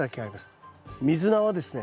ミズナはですね